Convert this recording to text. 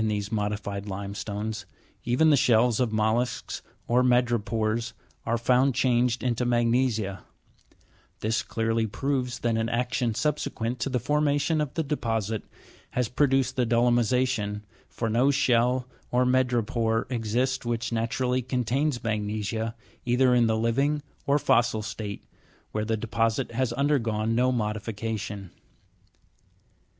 these modified limestones, even the shells of rnollusks or madrepores, are found changed into magnesia ; this clearly proves that an action subsequent to the formation of the deposit has produced dolomisa'tion, for no shell or madrepore exists which naturally contains magnesia, either in the living or fossil state, where the deposit has undergone no modification.